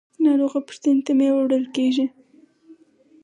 ناروغه پوښتنې ته میوه وړل کیږي.